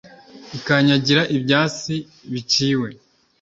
ikanyagira ibyasi biciwe,